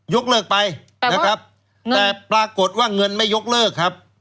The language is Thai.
ยกเลิกไปนะครับแต่ปรากฏว่าเงินไม่ยกเลิกครับ